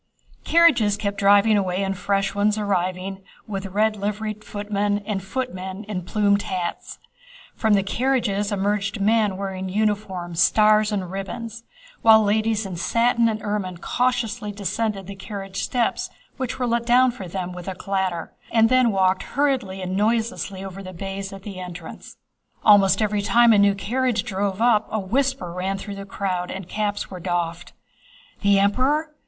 Carriages kept driving away and fresh ones arriving, with red liveried footmen and footmen in plumed hats. From the carriages emerged men wearing uniforms, stars, and ribbons, while ladies in satin and ermine cautiously descended the carriage steps which were let down for them with a clatter, and then walked hurriedly and noiselessly over the baize at the entrance. Almost every time a new carriage drove up a whisper ran through the crowd and caps were doffed. "The Emperor?...